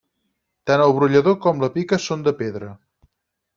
Tant el brollador com la pica són de pedra.